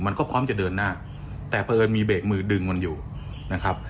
มันก็พร้อมจะเดินหน้าแต่เผอิญมีเบรกมือดึงมันอยู่นะครับ